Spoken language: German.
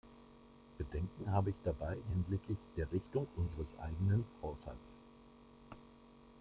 Bedenken habe ich dabei hinsichtlich der Richtung unseres eigenen Haushalts.